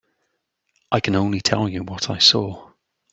I can only tell you what I saw.